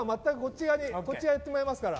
こっち側にやってもらいますから。